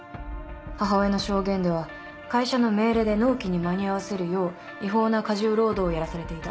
母親の証言では会社の命令で納期に間に合わせるよう違法な過重労働をやらされていた。